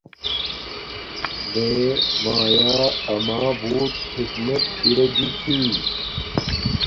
میے مایا اما بوت خدمت اِرے گی چھی